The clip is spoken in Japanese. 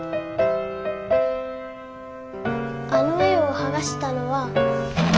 あの絵をはがしたのは。